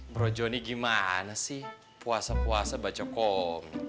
bro johnny gimana sih puasa puasa baca komik